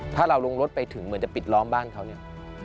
ถ้าเราลงรถไปถึงเหมือนจะปิดล้อมบ้านเขาเนี่ย